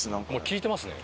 聞いてますね。